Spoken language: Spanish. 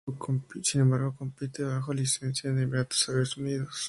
Sin embargo compite bajo licencia de Emiratos Árabes Unidos.